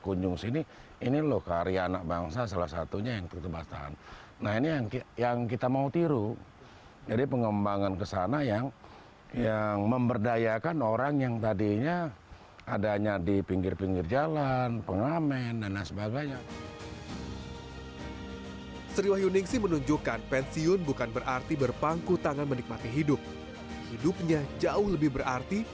kampung topeng jawa timur